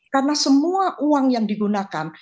karena semua uang yang digunakan